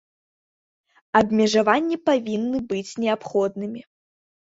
Абмежаванні павінны быць неабходнымі.